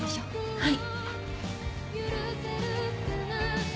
はい。